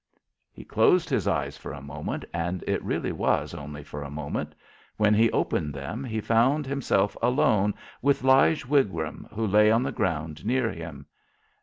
He closed his eyes for a moment, and it really was only for a moment. When he opened them he found himself alone with Lige Wigram, who lay on the ground near him.